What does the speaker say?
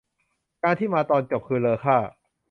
จานที่มาตอนจบคือเลอค่า